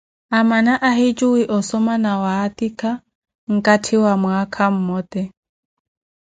Amana ahijuwi osoma na waatikha nkatti wa mwaakha mmote